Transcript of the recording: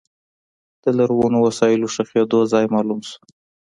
د لرغونو وسلو ښخېدو ځای معلوم شو.